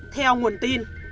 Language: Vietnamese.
theo nguồn tin